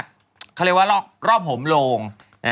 เขาเรียกว่ารอบหมโลง